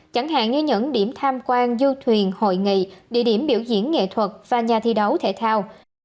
chẳng hạn như những điểm tham quan du thuyền hội nghị địa điểm biểu diễn nghệ thuật và nhà thi đấu thể thao